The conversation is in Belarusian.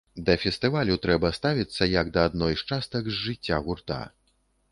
Да фестывалю трэба ставіцца як да адной з частак з жыцця гурта.